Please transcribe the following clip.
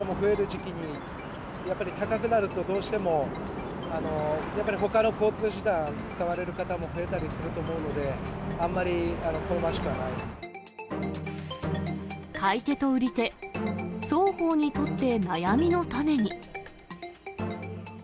レジャーの時期なので、お車使う方も増える時期に、やっぱり高くなると、どうしても、やっぱりほかの交通手段使われる方も増えたりすると思うので、買い手と売り手、双方にとって悩みの種に。